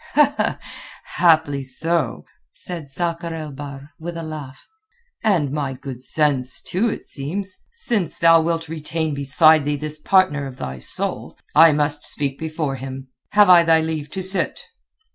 "Haply so," said Sakr el Bahr, with a laugh. "And my good sense, too, it seems. Since thou wilt retain beside thee this partner of thy soul, I must speak before him. Have I thy leave to sit?"